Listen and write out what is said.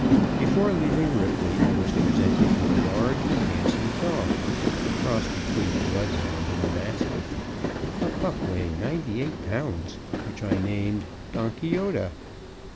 Before leaving Ripley I was presented with a large and handsome dog, a cross between the bloodhound and the mastiff, a pup weighing 98 pounds, which I named Donkeyota.